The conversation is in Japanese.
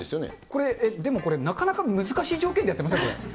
これ、でもこれ、なかなか難しい条件でやってません？